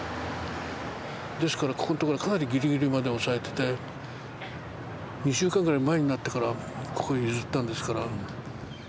ですからここのところはかなりギリギリまで押さえてて２週間ぐらい前になってからここを譲ったんですから。